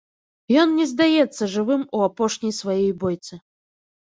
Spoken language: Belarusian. Ён не здаецца жывым у апошняй сваёй бойцы.